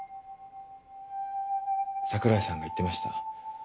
桜井さんが言ってました。